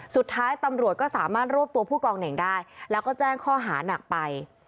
สุดท้ายตำรวจก็สามารถรวบตัวผู้กองเหน่งได้แล้วก็แจ้งข้อหานักไป